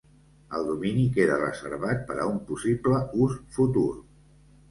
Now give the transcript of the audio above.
El domini queda reservat per a un possible ús futur.